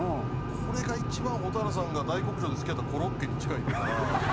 これが一番蛍原さんが大国町で好きやったコロッケに近い色かな？